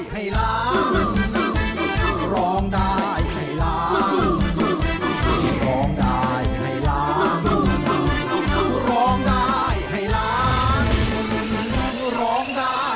ให้ล้างเราร้องได้ให้ล้าง